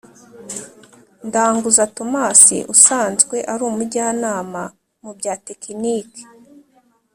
Ndanguza Thomas usanzwe ari umujyanama mu bya Tekinike